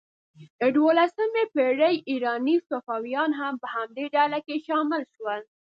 د دوولسمې پېړۍ ایراني صوفیان هم په همدې ډلې کې شامل شول.